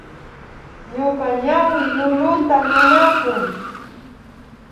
Ñuka ñawi lulunta nanakun